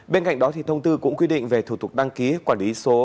bên cạnh đó thông tư cũng quy định về thủ tục đăng ký quản lý số